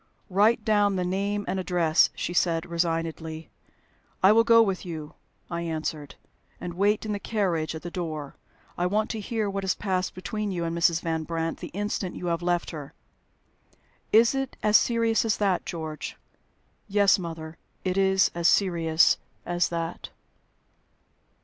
"Write down the name and address," she said resignedly. "I will go with you," I answered, "and wait in the carriage at the door. I want to hear what has passed between you and Mrs. Van Brandt the instant you have left her." "Is it as serious as that, George?" "Yes, mother, it is as serious as that."